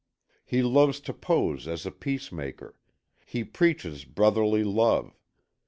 He loves to pose as a peacemaker; he preaches brotherly love.